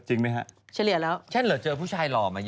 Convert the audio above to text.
จริงป่ะคุณแม่มะเจอผู้ชายหล่อว์มาเยอะ